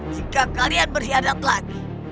jika kalian berkhianat lagi